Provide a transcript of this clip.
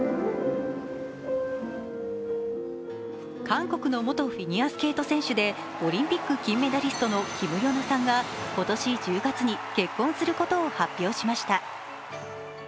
韓国の元フィギュアスケート選手でオリンピック金メダリストのキム・ヨナさんが今年１０月に結婚することを発表しました。